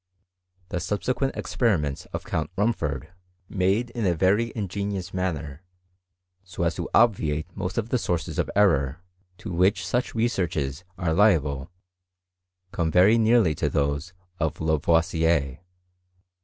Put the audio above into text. The subsequent experiments of Count Rumfordy meda CHEMISTRT HT GUEAT BUITAIK. 395 «^ a Tery ingenious manner, so as to obviate most of fte sources of error, to which such researches are iuible, come very nearly to those of Lavoisier.